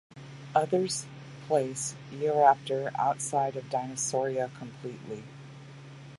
Others place "Eoraptor" outside of Dinosauria completely.